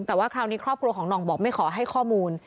แต่ว่าคราวนี้ครอบครัวของหน่องบอกไม่ขอให้ข้อมูล